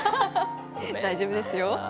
大丈夫ですよ。